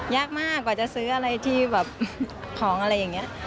ยากมากกว่าจะซื้ออะไรที่แบบของอะไรอย่างนี้